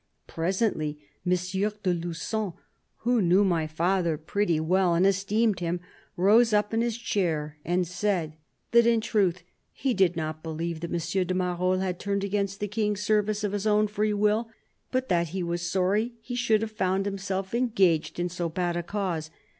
..." Presently, " M. de Lugon, who knew my father pretty well and esteemed him, rose up in his chair and said that in truth he did not believe that M. de Marolles had turned against the King's service of his own free will, but that he was sorry he should have found himself engaged in so bad a cause.